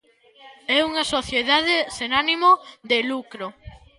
E unha sociedade sen ánimo de lucro.